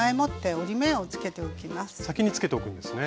先につけておくんですね。